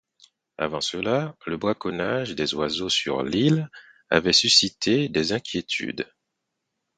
Avant cela, le braconnage des oiseaux sur l'île avait suscité des inquiétudes.